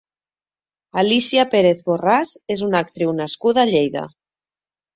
Alícia Pérez Borràs és una actriu nascuda a Lleida.